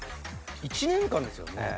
１年間ですよね。